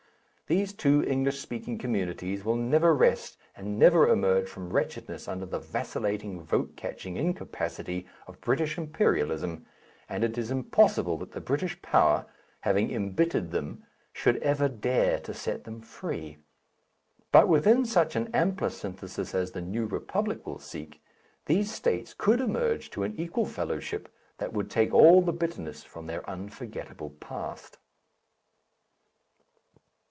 These two English speaking communities will never rest and never emerge from wretchedness under the vacillating vote catching incapacity of British Imperialism, and it is impossible that the British power, having embittered them, should ever dare to set them free. But within such an ampler synthesis as the New Republic will seek, these states could emerge to an equal fellowship that would take all the bitterness from their unforgettable past.